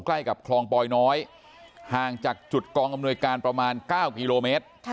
ใกล้กับคลองปอยน้อยห่างจากจุดกองอำนวยการประมาณ๙กิโลเมตร